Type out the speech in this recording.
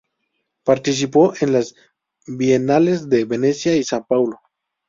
Participó en las Bienales de Venecia y Sao Paulo.